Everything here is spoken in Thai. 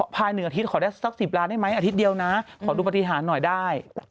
ภาย๑อาทิตย์ขอได้สัก๑๐ล้านได้ไหมอาทิตย์เดียวนะขอดูปฏิหารหน่อยได้